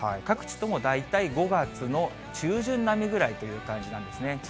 各地とも大体、５月の中旬並みぐらいという感じなんですね。